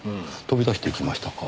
飛び出していきましたか。